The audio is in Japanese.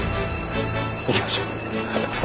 行きましょう。